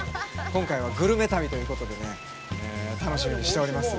今回はグルメ旅ということで楽しみにしております。